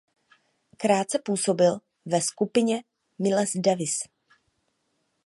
Krátce působil ve skupině Milese Davise.